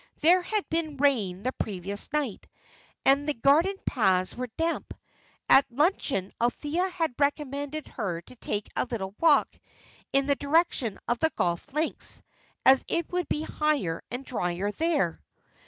There had been rain the previous night, and the garden paths were damp. And at luncheon Althea had recommended her to take a little walk, in the direction of the golf links, as it would be higher and dryer there.